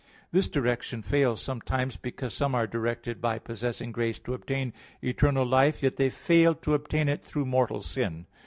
This direction fails sometimes; because some are directed by possessing grace, to obtain eternal life, yet they fail to obtain it through mortal sin.